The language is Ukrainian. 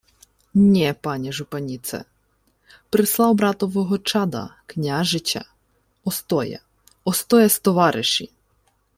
— Нє, пані жупаніце. Прислав братового чада, княжича... Остоя. Остоя з товариші.